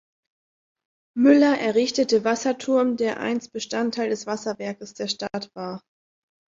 Müller“ errichtete Wasserturm, der einst Bestandteil des Wasserwerkes der Stadt war.